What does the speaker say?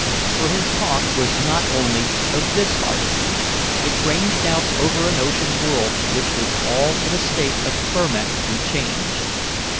For his talk was not only of this harbor. It ranged out over an ocean world which was all in a state of ferment and change.